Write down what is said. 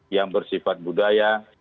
yang bersifat budaya